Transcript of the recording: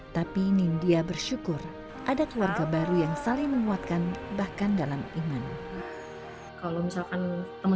tapi nindia bersyukur ada keluarga baru yang saling menguatkan bahkan dalam iman kalau misalkan teman